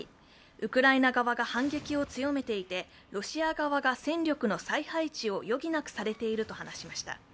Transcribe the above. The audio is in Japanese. ウクライナ側が反撃を強めていて、ロシア側が戦力の再配置を余儀なくされていると話しました。